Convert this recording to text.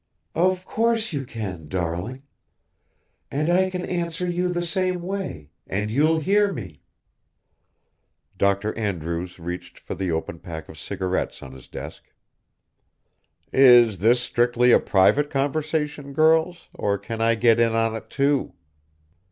(Of course you can, darling. And I can answer you the same way, and you'll hear me.) Dr. Andrews reached for the open pack of cigarettes on his deck. (Is this strictly a private conversation, girls, or can I get in on it, too?)